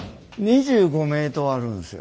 ２５ｍあるんですよ。